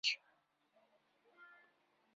Yessefk ad trefdeḍ ifassen-nnek.